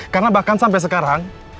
karena bahkan sampai sekarang